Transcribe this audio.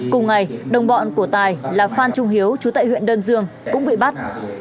cùng ngày đồng bọn của tài là phan trung hiếu chú tại huyện đơn dương cũng bị bắt